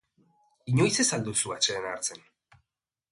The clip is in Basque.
Inoiz ez al duzu atseden hartzen?